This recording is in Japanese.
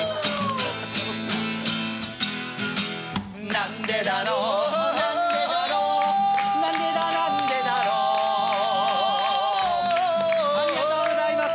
なんでだろうなんでだろうなんでだなんでだろうありがとうございます。